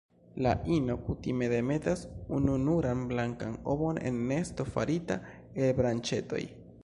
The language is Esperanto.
La ino kutime demetas ununuran blankan ovon en nesto farita el branĉetoj.